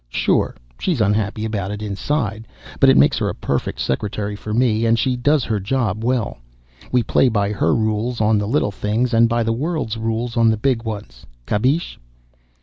Sure, she's unhappy about it, inside. But it makes her a perfect secretary, for me, and she does her job well. We play by her rules on the little things, and by the world's rules on the big ones. Kapish?"